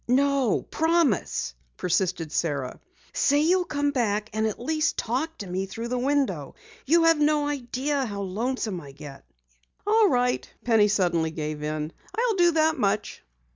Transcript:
"No, promise!" persisted Sara. "Say you'll come back and at least talk to me through the window. You have no idea how lonesome I get." "All right," Penny suddenly gave in. "I'll do that much."